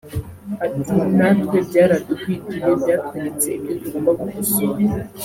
Ati “Natwe byaraduhwituye byatweretse ibyo tugomba gukosora